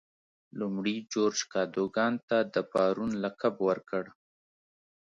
لومړي جورج کادوګان ته د بارون لقب ورکړ.